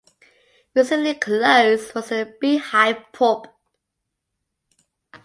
Recently closed was The Beehive Pub.